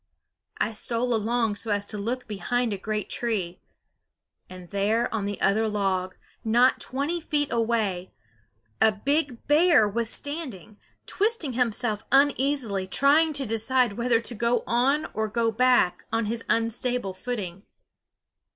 I stole along so as to look behind a great tree and there on the other log, not twenty feet away, a big bear was standing, twisting himself uneasily, trying to decide whether to go on or go back on his unstable footing.